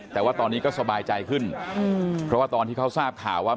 แต่ว่าตอนนี้ก็สบายใจขึ้นเพราะว่าตอนที่เขาทราบข่าวว่า